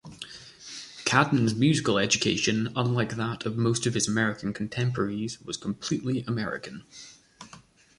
Cadman's musical education, unlike that of most of his American contemporaries, was completely American.